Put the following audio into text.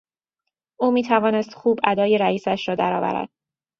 او میتوانست خوب ادای رئیسش را درآورد.